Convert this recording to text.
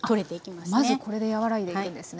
まずこれで和らいでいくんですね。